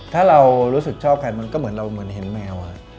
ถ้าเรารู้สึกชอบใครมันก็เหมือนเราเหมือนเห็นแมว